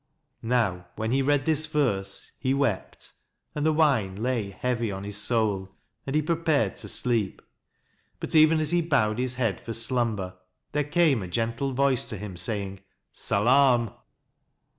Now when he read this verse he wept, and the wine lay heavy on his soul, and he prepared to sleep. But even as he bowed his head for slumber there came a gentle voice to him, saying " Salaam